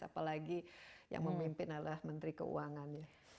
apalagi yang memimpin adalah menteri keuangannya